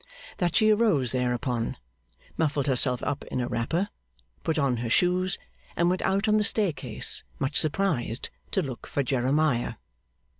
That she arose thereupon, muffled herself up in a wrapper, put on her shoes, and went out on the staircase, much surprised, to look for Jeremiah.